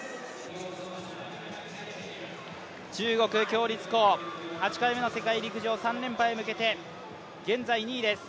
中国、鞏立コウ、８回目の世界陸上、３連覇に向けて現在２位です。